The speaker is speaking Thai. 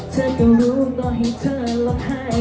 เธอก็รู้ต่อให้เธอรักให้